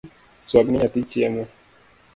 Swagne nyathi chiemo